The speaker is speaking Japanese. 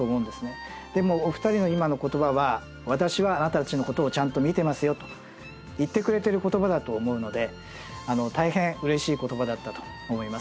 でもお二人の今の言葉は私はあなたたちのことをちゃんと見ていますよと言ってくれてる言葉だと思うので大変うれしい言葉だったと思います。